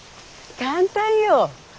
簡単よ。